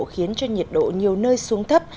khiến cho nhiệt độ nhiều nơi xuống thấp